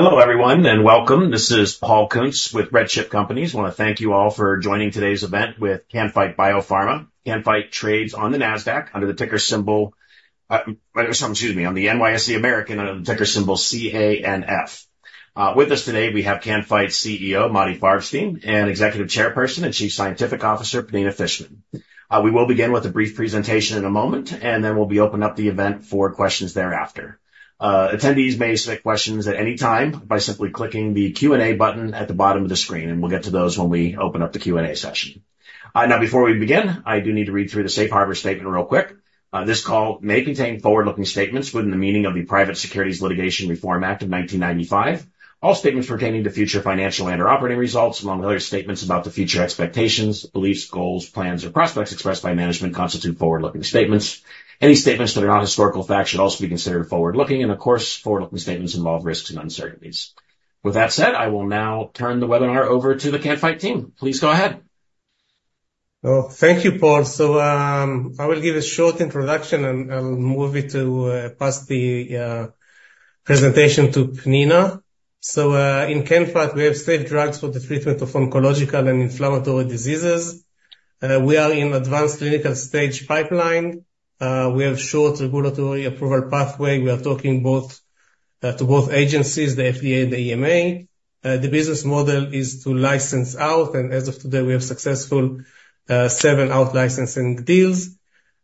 Hello, everyone, and welcome. This is Paul Kuntz with RedChip Companies. I want to thank you all for joining today's event with Can-Fite BioPharma. Can-Fite trades on the Nasdaq under the ticker symbol, on the NYSE American under the ticker symbol CANF. With us today, we have Can-Fite CEO Motti Farbstein, and Executive Chairperson and Chief Scientific Officer, Pnina Fishman. We will begin with a brief presentation in a moment, and then we'll be opening up the event for questions thereafter. Attendees may submit questions at any time by simply clicking the Q&A button at the bottom of the screen, and we'll get to those when we open up the Q&A session. Now, before we begin, I do need to read through the Safe Harbor statement real quick. This call may contain forward-looking statements within the meaning of the Private Securities Litigation Reform Act of 1995. All statements pertaining to future financial and or operating results, among other statements about the future expectations, beliefs, goals, plans, or prospects expressed by management constitute forward-looking statements. Any statements that are not historical facts should also be considered forward-looking, and of course, forward-looking statements involve risks and uncertainties. With that said, I will now turn the webinar over to the Can-Fite team. Please go ahead. Well, thank you, Paul. So, I will give a short introduction and move it to pass the presentation to Pnina. So, in Can-Fite, we have safe drugs for the treatment of oncological and inflammatory diseases. We are in advanced clinical stage pipeline. We have short regulatory approval pathway. We are talking both to both agencies, the FDA and the EMA. The business model is to license out, and as of today, we have successful seven out-licensing deals.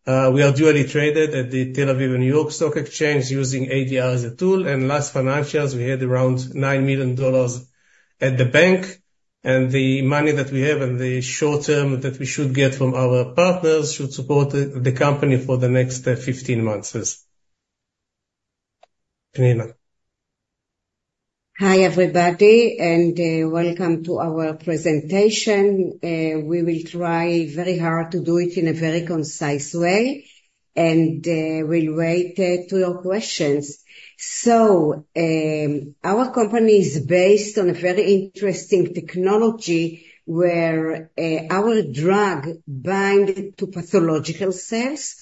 We are dually traded at the Tel Aviv and New York Stock Exchange using ADR as a tool, and last financials, we had around $9 million at the bank, and the money that we have in the short term that we should get from our partners should support the company for the next 15 months. Pnina? Hi, everybody, and welcome to our presentation. We will try very hard to do it in a very concise way, and we'll wait to your questions. So, our company is based on a very interesting technology, where our drug bind to pathological cells.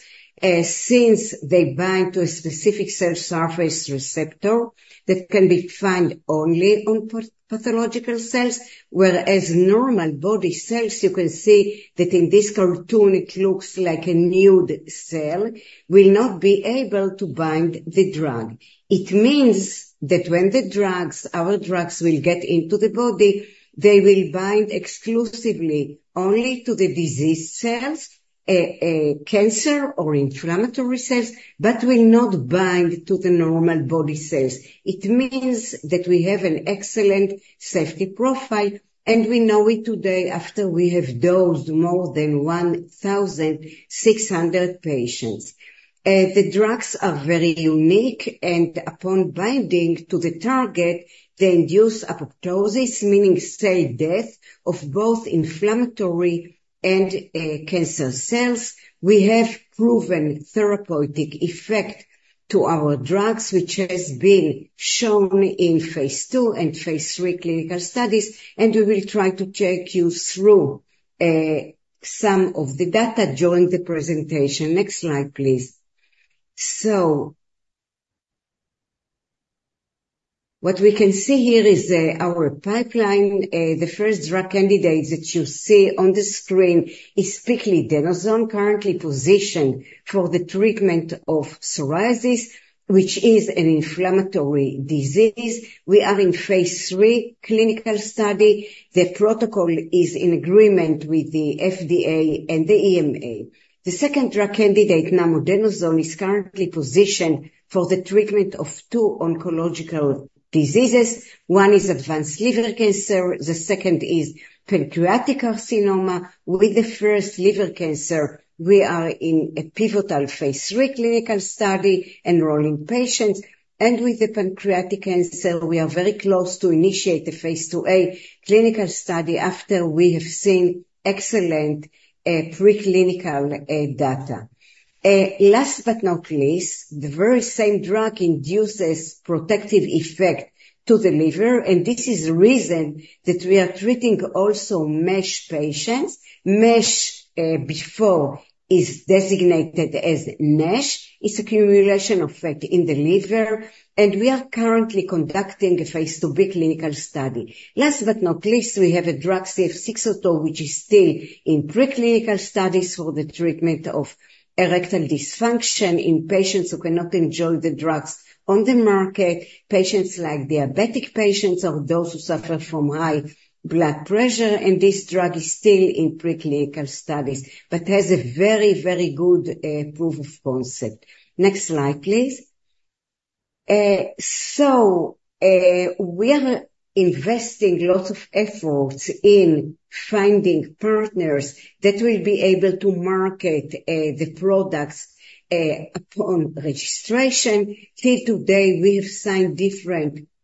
Since they bind to a specific cell surface receptor that can be found only on pathological cells, whereas normal body cells, you can see that in this cartoon, it looks like a nude cell, will not be able to bind the drug. It means that when the drugs, our drugs will get into the body, they will bind exclusively only to the disease cells, cancer or inflammatory cells, but will not bind to the normal body cells. It means that we have an excellent safety profile, and we know it today after we have dosed more than 1,600 patients. The drugs are very unique, and upon binding to the target, they induce apoptosis, meaning cell death of both inflammatory and cancer cells. We have proven therapeutic effect to our drugs, which has been shown in phase II and phase III clinical studies, and we will try to take you through some of the data during the presentation. Next slide, please. What we can see here is our pipeline. The first drug candidate that you see on the screen is Piclidenoson, currently positioned for the treatment of psoriasis, which is an inflammatory disease. We are in phase III clinical study. The protocol is in agreement with the FDA and the EMA. The second drug candidate, Namodenoson, is currently positioned for the treatment of two oncological diseases. One is advanced liver cancer, the second is pancreatic carcinoma. With the first liver cancer, we are in a pivotal phase III clinical study, enrolling patients, and with the pancreatic cancer, we are very close to initiate the phase IIa clinical study after we have seen excellent preclinical data. Last but not least, the very same drug induces protective effect to the liver, and this is the reason that we are treating also MASH patients. MASH before is designated as NASH. It's accumulation effect in the liver, and we are currently conducting a phase IIb clinical study. Last but not least, we have a drug, CF602, which is still in preclinical studies for the treatment of erectile dysfunction in patients who cannot enjoy the drugs on the market. Patients like diabetic patients or those who suffer from high blood pressure, and this drug is still in preclinical studies, but has a very, very good proof of concept. Next slide, please. So, we are investing lots of efforts in finding partners that will be able to market the products upon registration. Till today, we've signed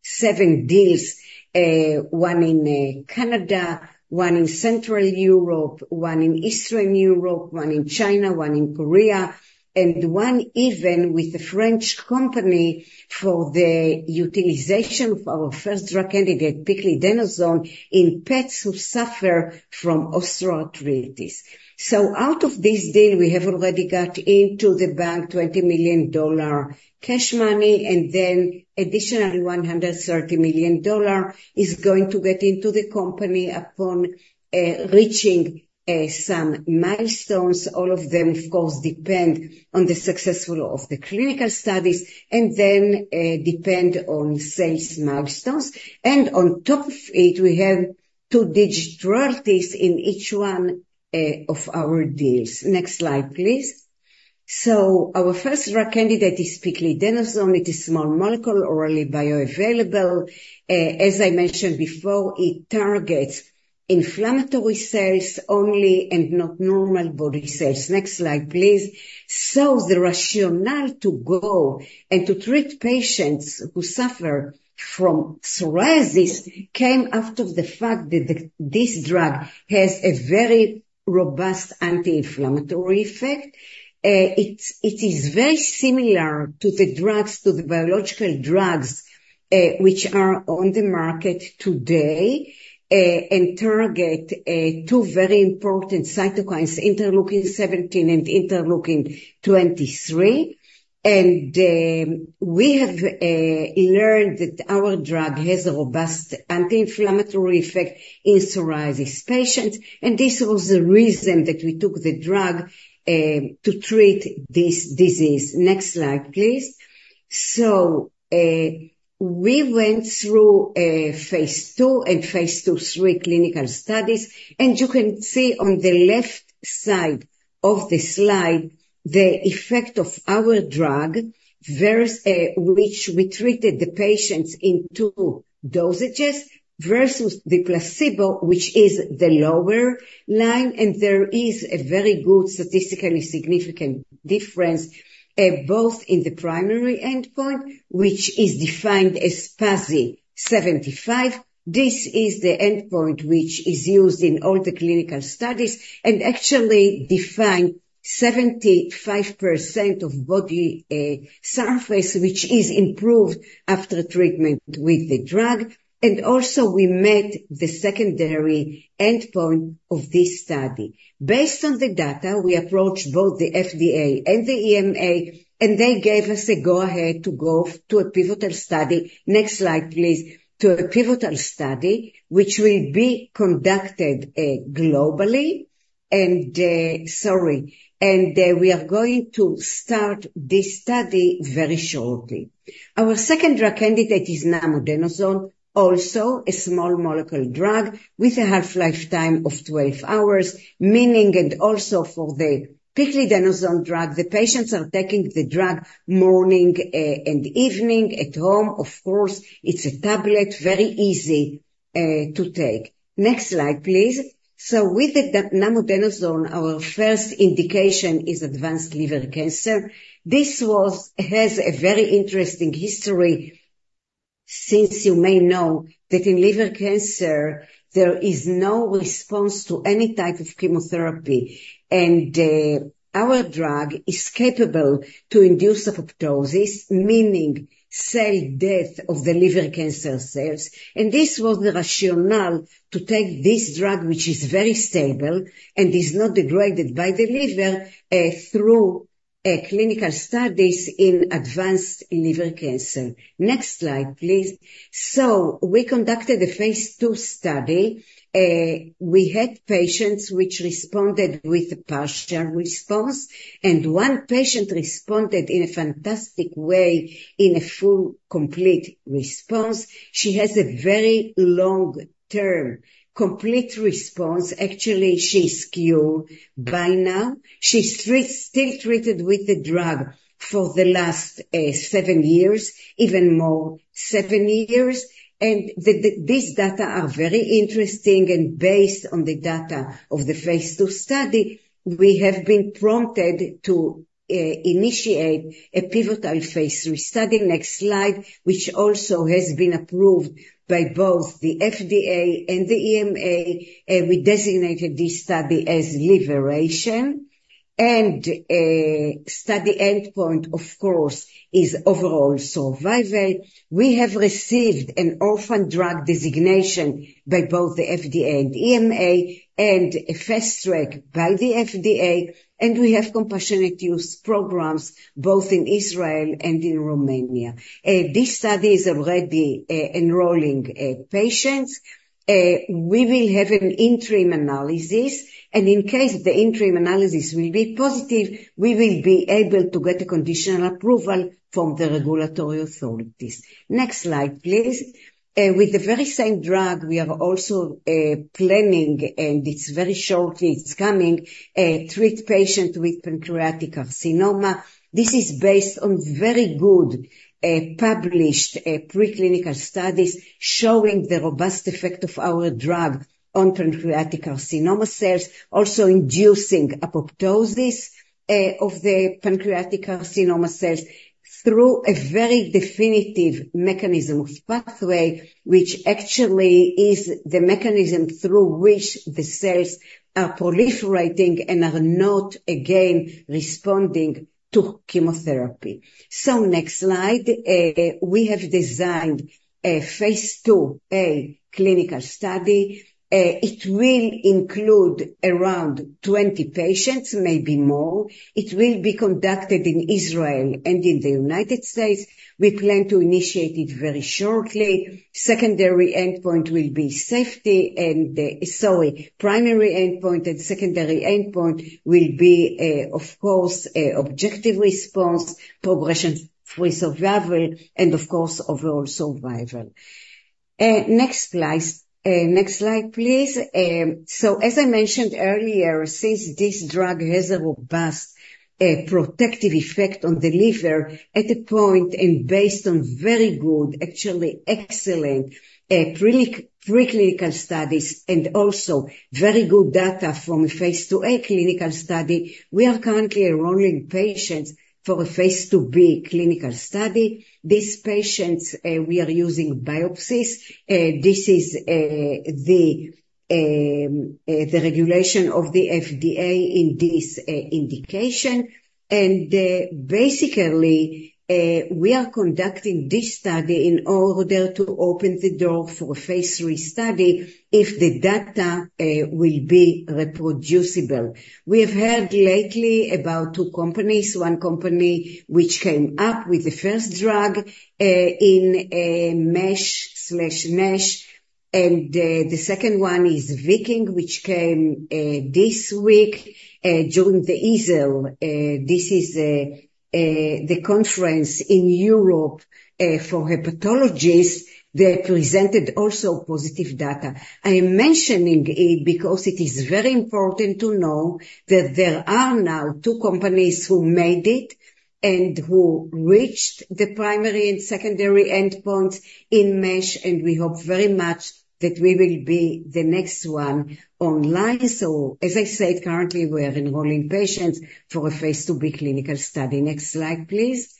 seven deals. One in Canada, one in Central Europe, one in Eastern Europe, one in China, one in Korea, and one even with a French company for the utilization of our first drug candidate, Piclidenoson, in pets who suffer from osteoarthritis. So out of this deal, we have already got into the bank $20 million cash money, and then additionally, $130 million is going to get into the company upon reaching some milestones. All of them, of course, depend on the successful of the clinical studies and then, depend on sales milestones. And on top of it, we have two royalties in each one, of our deals. Next slide, please. So our first drug candidate is Piclidenoson. It is small molecule, orally bioavailable. As I mentioned before, it targets inflammatory cells only and not normal body cells. Next slide, please. So the rationale to go and to treat patients who suffer from psoriasis came out of the fact that this drug has a very robust anti-inflammatory effect. It is very similar to the drugs, to the biological drugs, which are on the market today, and target two very important cytokines, interleukin-17 and interleukin-23. We have learned that our drug has a robust anti-inflammatory effect in psoriasis patients, and this was the reason that we took the drug to treat this disease. Next slide, please. We went through a phase II and phase II, three clinical studies, and you can see on the left side of the slide, the effect of our drug versus which we treated the patients in two dosages versus the placebo, which is the lower line, and there is a very good statistically significant difference both in the primary endpoint, which is defined as PASI 75. This is the endpoint which is used in all the clinical studies and actually define 75% of body surface which is improved after treatment with the drug. And also we met the secondary endpoint of this study. Based on the data, we approached both the FDA and the EMA, and they gave us a go-ahead to go to a pivotal study. Next slide, please. To a pivotal study, which will be conducted globally, and we are going to start this study very shortly. Our second drug candidate is Namodenoson, also a small molecule drug with a half-life time of 12 hours, meaning and also for the Piclidenoson drug, the patients are taking the drug morning and evening at home. Of course, it's a tablet, very easy to take. Next slide, please. So with the Namodenoson, our first indication is advanced liver cancer. This has a very interesting history since you may know that in liver cancer, there is no response to any type of chemotherapy, and our drug is capable to induce apoptosis, meaning cell death of the liver cancer cells. And this was the rationale to take this drug, which is very stable and is not degraded by the liver, through clinical studies in advanced liver cancer. Next slide, please. So we conducted a phase II study. We had patients which responded with a partial response, and one patient responded in a fantastic way in a full, complete response. She has a very long-term complete response. Actually, she's cured by now. She's still treated with the drug for the last seven years, even more, seven years. And this data are very interesting and based on the data of the phase II study, we have been prompted to initiate a pivotal phase III study. Next slide, which also has been approved by both the FDA and the EMA. We designated this study as Liveration, and study endpoint, of course, is overall survival. We have received an orphan drug designation by both the FDA and EMA, and a Fast Track by the FDA, and we have compassionate use programs both in Israel and in Romania. This study is already enrolling patients. We will have an interim analysis, and in case the interim analysis will be positive, we will be able to get a conditional approval from the regulatory authorities. Next slide, please. With the very same drug, we are also planning, and it's very shortly it's coming, treat patient with pancreatic carcinoma. This is based on very good published preclinical studies showing the robust effect of our drug on pancreatic carcinoma cells, also inducing apoptosis of the pancreatic carcinoma cells through a very definitive mechanism of pathway, which actually is the mechanism through which the cells are proliferating and are not, again, responding to chemotherapy. So next slide. We have designed a phase IIa clinical study. It will include around 20 patients, maybe more. It will be conducted in Israel and in the United States. We plan to initiate it very shortly. Secondary endpoint will be safety. Sorry, primary endpoint and secondary endpoint will be, of course, objective response, progression-free survival, and of course, overall survival. Next slide, please. So as I mentioned earlier, since this drug has a robust protective effect on the liver at a point and based on very good, actually excellent, preclinical studies and also very good data from a phase II-A clinical study, we are currently enrolling patients for a phase IIb clinical study. These patients, we are using biopsies. This is the regulation of the FDA in this indication. And, basically, we are conducting this study in order to open the door for a phase III study if the data will be reproducible. We have heard lately about two companies. One company which came up with the first drug in MASH, and the second one is Viking, which came this week during the EASL. This is the conference in Europe for hepatologists. They presented also positive data. I am mentioning it because it is very important to know that there are now two companies who made it and who reached the primary and secondary endpoint in MASH, and we hope very much that we will be the next one online. As I said, currently, we are enrolling patients for a phase IIb clinical study. Next slide, please.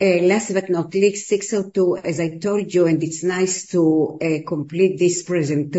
Last but not least, 602, as I told you, and it's nice to complete this presentation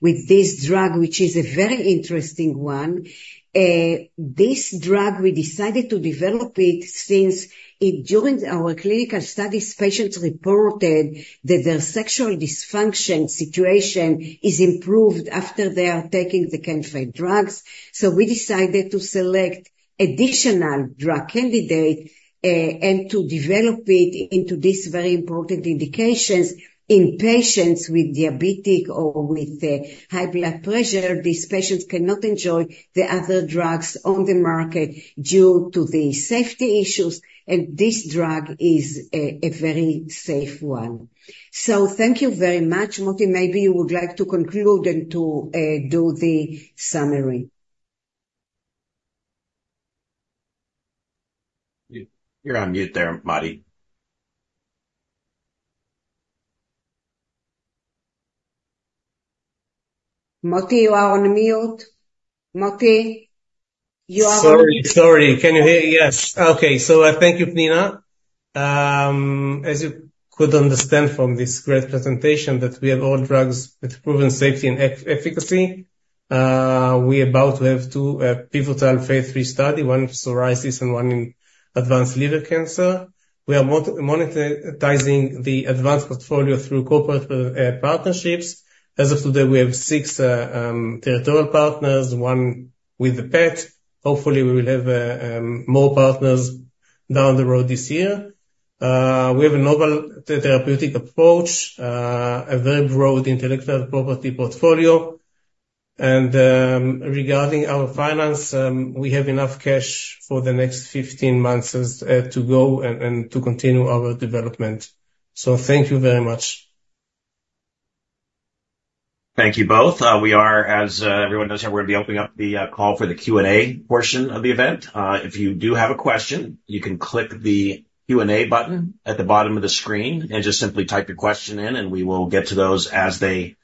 with this drug, which is a very interesting one. This drug, we decided to develop it since it. During our clinical studies, patients reported that their sexual dysfunction situation is improved after they are taking the Can-Fite drugs. We decided to select additional drug candidate, and to develop it into this very important indications in patients with diabetic or with high blood pressure. These patients cannot enjoy the other drugs on the market due to the safety issues, and this drug is a very safe one. Thank you very much. Motti, maybe you would like to conclude and to do the summary. You, you're on mute there, Motti. Motti, you are on mute. Motti, you are on- Sorry, sorry. Can you hear me? Yes. Okay. So, thank you, Pnina. As you could understand from this great presentation, that we have all drugs with proven safety and efficacy. We're about to have two pivotal phase III study, one for psoriasis and one in advanced liver cancer. We are monetizing the advanced portfolio through corporate partnerships. As of today, we have 6 territorial partners, one with the pet. Hopefully, we will have more partners down the road this year. We have a novel therapeutic approach, a very broad intellectual property portfolio, and, regarding our finance, we have enough cash for the next 15 months to go and to continue our development. So thank you very much. Thank you both. We are, as everyone knows, we're gonna be opening up the call for the Q&A portion of the event. If you do have a question, you can click the Q&A button at the bottom of the screen and just simply type your question in, and we will get to those as they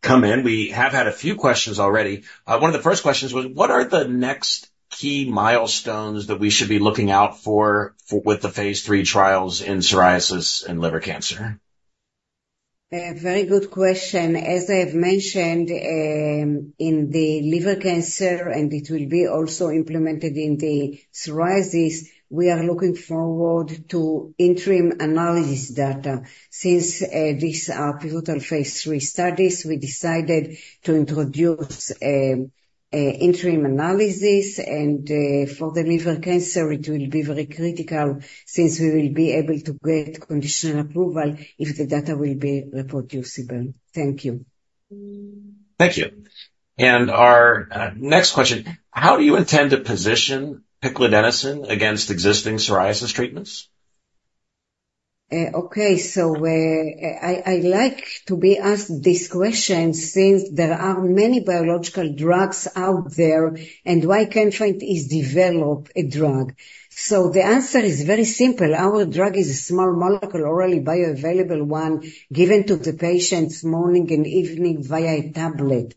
come in. We have had a few questions already. One of the first questions was: What are the next key milestones that we should be looking out for, for with the phase III trials in psoriasis and liver cancer? Very good question. As I have mentioned, in the liver cancer, and it will be also implemented in the psoriasis, we are looking forward to interim analysis data. Since these are pivotal phase III studies, we decided to introduce interim analysis, and for the liver cancer, it will be very critical since we will be able to get conditional approval if the data will be reproducible. Thank you. Thank you. Our next question: How do you intend to position Piclidenoson against existing psoriasis treatments? Okay. So, I like to be asked this question since there are many biological drugs out there and why Can-Fite is develop a drug. So the answer is very simple. Our drug is a small molecule, orally bioavailable one, given to the patients morning and evening via a tablet.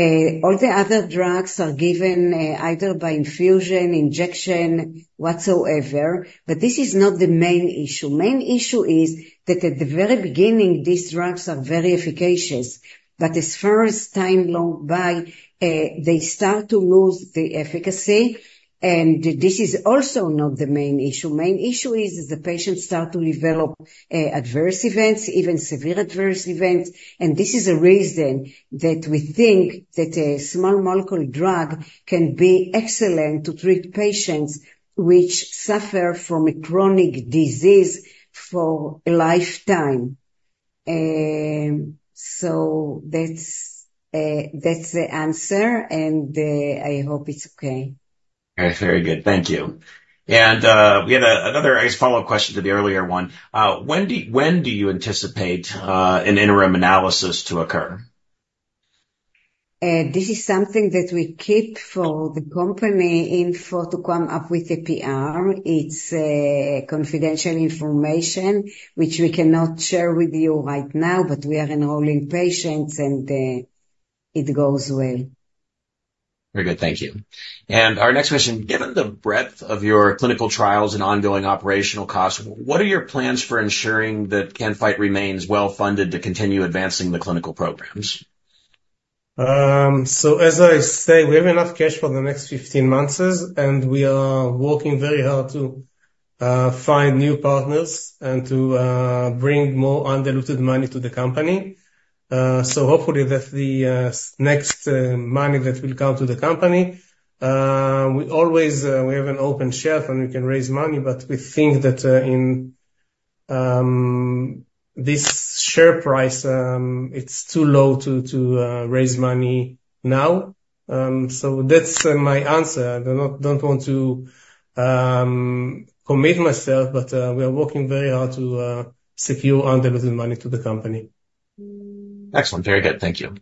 All the other drugs are given, either by infusion, injection, whatsoever, but this is not the main issue. Main issue is that at the very beginning, these drugs are very efficacious, but as far as time long by, they start to lose the efficacy, and this is also not the main issue. Main issue is the patients start to develop, adverse events, even severe adverse events. And this is a reason that we think that a small molecule drug can be excellent to treat patients which suffer from a chronic disease for a lifetime. So that's the answer, and I hope it's okay. Very good. Thank you. We had another, I guess, follow-up question to the earlier one. When do you anticipate an interim analysis to occur? This is something that we keep for the company info to come up with the PR. It's confidential information, which we cannot share with you right now, but we are enrolling patients, and it goes well. Very good, thank you. Our next question: Given the breadth of your clinical trials and ongoing operational costs, what are your plans for ensuring that Can-Fite remains well-funded to continue advancing the clinical programs? So as I say, we have enough cash for the next 15 months, and we are working very hard to find new partners and to bring more undiluted money to the company. So hopefully that the next money that will come to the company, we always, we have an open shelf, and we can raise money, but we think that in this share price, it's too low to raise money now. So that's my answer. I don't want to commit myself, but we are working very hard to secure undiluted money to the company. Excellent. Very good, thank you.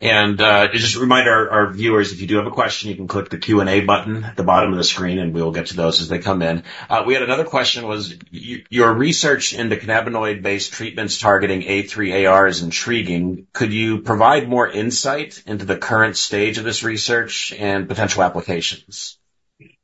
And, just to remind our viewers, if you do have a question, you can click the Q&A button at the bottom of the screen, and we will get to those as they come in. We had another question: your research into cannabinoid-based treatments targeting A3AR is intriguing. Could you provide more insight into the current stage of this research and potential applications?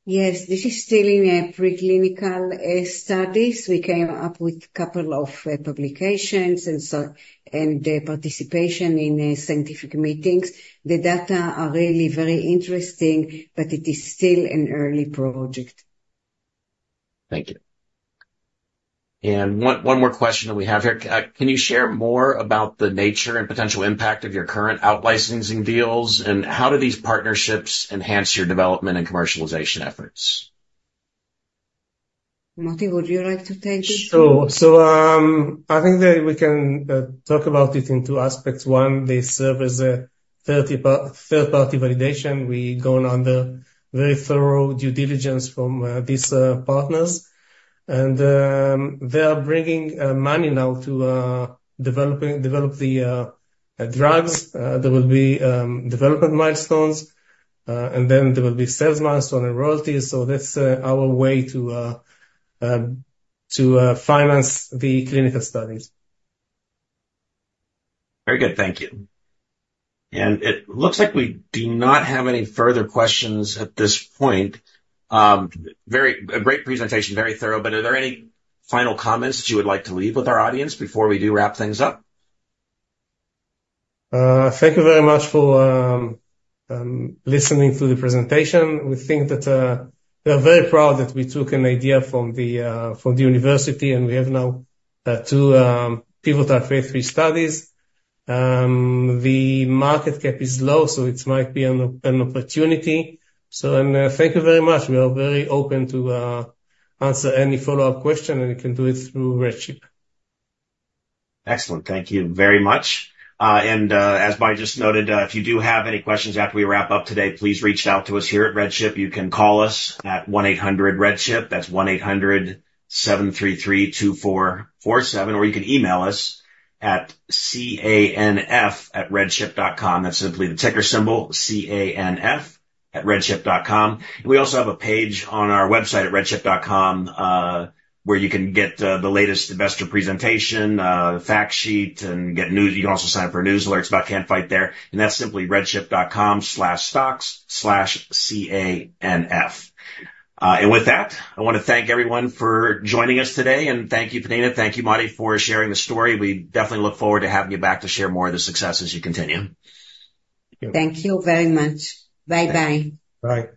Yes. This is still in a preclinical studies. We came up with a couple of publications, and so, and participation in scientific meetings. The data are really very interesting, but it is still an early project. Thank you. And one more question that we have here. Can you share more about the nature and potential impact of your current out-licensing deals, and how do these partnerships enhance your development and commercialization efforts? Motti, would you like to take it? I think that we can talk about it in two aspects. One, they serve as a third-party validation. We go through very thorough due diligence from these partners, and they are bringing money now to develop the drugs. There will be development milestones, and then there will be sales milestone and royalties. So that's our way to finance the clinical studies. Very good. Thank you. It looks like we do not have any further questions at this point. A great presentation, very thorough, but are there any final comments that you would like to leave with our audience before we do wrap things up? Thank you very much for listening to the presentation. We think that we are very proud that we took an idea from the university, and we have now two pivotal phase III studies. The market cap is low, so it might be an opportunity. So, and, thank you very much. We are very open to answer any follow-up question, and we can do it through RedChip. Excellent. Thank you very much. And, as I just noted, if you do have any questions after we wrap up today, please reach out to us here at RedChip. You can call us at 1-800-RedChip. That's 1-800-733-2447 or you can email us at canf@redchip.com. That's simply the ticker symbol, canf@redchip.com. We also have a page on our website at redchip.com, where you can get the latest investor presentation, fact sheet, and get news. You can also sign up for news alerts about Can-Fite there, and that's simply redchip.com/stocks/CANF. And with that, I want to thank everyone for joining us today. And thank you, Pnina. Thank you, Motti, for sharing the story. We definitely look forward to having you back to share more of the success as you continue. Thank you very much. Bye-bye. Bye.